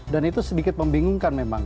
dan itu sedikit membingungkan memang